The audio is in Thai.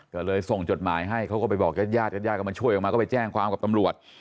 ก็เลยส่งจดหมายให้เขาก็ไปบอกญาติญาติก็มาช่วยออกมาก็ไปแจ้งความกับตำรวจ